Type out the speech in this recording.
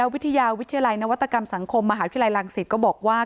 วิทยาวิทยาลัยนวัตกรรมสังคมมหาวิทยาลัยลังศิษย์ก็บอกว่า